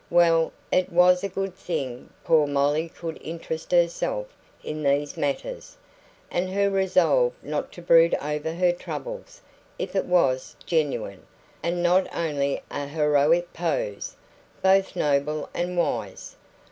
Well, it was a good thing poor Molly could interest herself in these matters, and her resolve not to brood over her troubles if it was genuine, and not only a heroic pose both noble and wise.